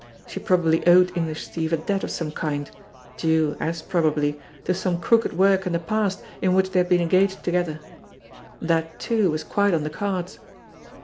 She probably owed English Steve a debt of some kind, due, as probably, to some crooked work in the past in which they had been engaged together. That, too, was quite on the cards.